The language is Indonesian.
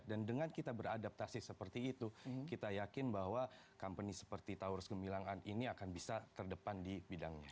dan dengan kita beradaptasi seperti itu kita yakin bahwa company seperti taurus gemilang ini akan bisa terdepan di bidangnya